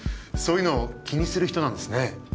そういうの気にする人なんですね？